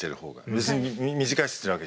別に短いっつってるわけじゃないですよ。